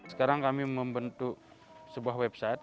sekarang kami membentuk sebuah website